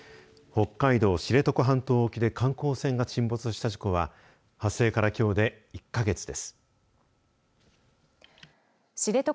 北海道・知床半島沖で観光船が沈没した事故は発生からきょうで１か月です。